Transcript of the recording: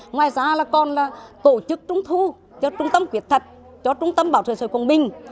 ngoài ra là còn là tổ chức trung thu cho trung tâm quyệt thật cho trung tâm bảo trợ sở công binh